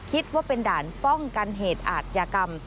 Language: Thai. คิดว่าเป็นด่านป้องกันเหตุอาทยากรรม